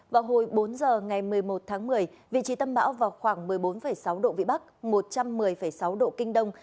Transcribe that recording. vào hồi bốn giờ ngày một mươi một tháng một mươi vị trí tâm bão vào khoảng một mươi bốn sáu độ vĩ bắc một trăm một mươi sáu độ kinh đông